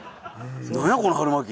なんやこの春巻き。